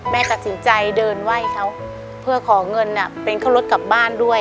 ตัดสินใจเดินไหว้เขาเพื่อขอเงินเป็นเข้ารถกลับบ้านด้วย